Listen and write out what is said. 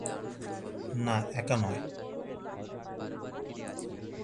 না, একা নয়।